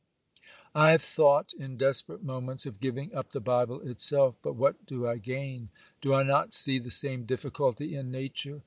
'I have thought, in desperate moments, of giving up the Bible itself. But what do I gain? Do I not see the same difficulty in Nature?